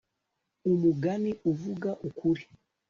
umugani uvuga ukuri